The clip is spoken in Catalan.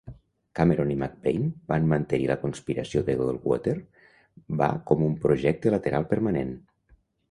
Cameron i McBain van mantenir la conspiració de Wellwater va com un projecte lateral permanent.